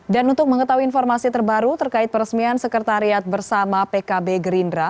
dan untuk mengetahui informasi terbaru terkait peresmian sekretariat bersama pkb gerindra